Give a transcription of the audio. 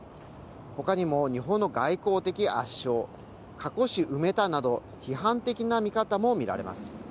他にも日本の外交的圧勝過去史埋めたなど批判的な見方も見られます。